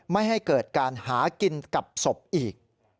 ไม่ให้เกิดการหากินกับศพอีก